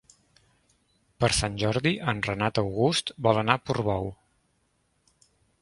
Per Sant Jordi en Renat August vol anar a Portbou.